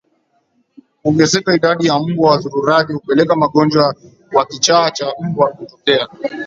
Kuongezeka idadi ya mbwa wazururaji hupelekea ugonjwa wa kichaa cha mbwa kutokea